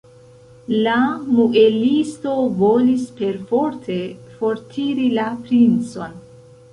La muelisto volis perforte fortiri la princon.